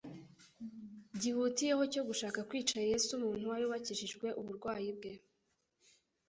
gihutiyeho cyo gushaka kwica Yesu. Umuntu wari wakijijwe uburwayi bwe